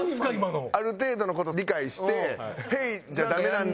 ある程度の事理解して「Ｈｅｙ」じゃダメなんだ。